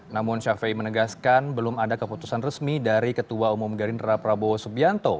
namun syafiei menegaskan belum ada keputusan resmi dari ketua umum gerindra prabowo subianto